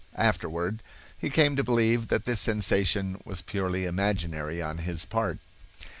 (Afterward he came to believe that this sensation was purely imaginary on his part.)